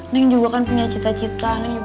neng juga kan punya cita cita neng juga